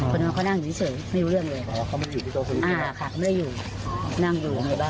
คนมันก็นั่งอยู่เฉยเหมือนแบบนี้เข้าไม่รู้เรื่องเลย